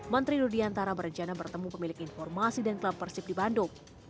menteri rudiantara berencana bertemu pemilik informasi dan klub persib di bandung